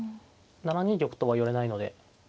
７二玉とは寄れないので。